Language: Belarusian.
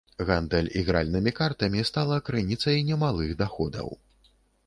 Гандаль ігральнымі картамі стала крыніцай немалых даходаў.